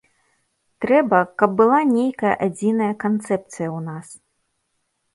Трэба, каб была нейкая адзіная канцэпцыя ў нас.